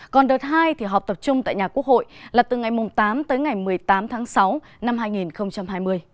còn đợt hai thì họp tập trung tại nhà quốc hội là từ ngày tám tới ngày một mươi tám tháng sáu năm hai nghìn hai mươi